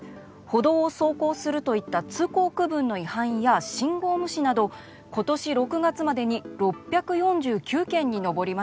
報道を走行するといった通行区分の違反や信号無視など今年６月までに６４９件に上りました。